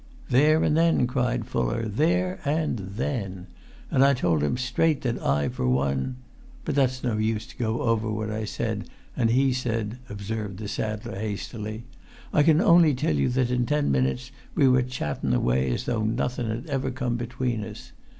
"There and then," cried Fuller; "there—and—then. And I told him straight that I for one—but that's no use to go over what I said and he said," observed the saddler, hastily. "I can only tell you that in ten minutes we were chattun away as though nothun had ever come between us.